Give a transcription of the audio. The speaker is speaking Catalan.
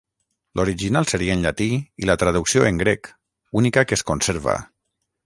L'original seria en llatí i la traducció en grec, única que es conserva.